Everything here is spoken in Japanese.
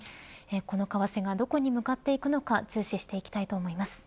この為替がどこに向かっていくのか注視していきたいと思います。